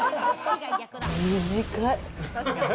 短い。